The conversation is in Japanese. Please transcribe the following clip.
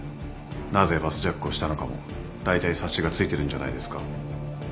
なぜバスジャックをしたのかもだいたい察しがついてるんじゃないですか？